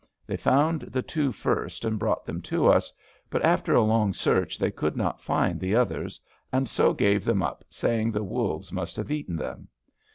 They found the two first and brought them to us; but after a long search they could not find the others, and soe gave them up, saying the wolves must have eaten them.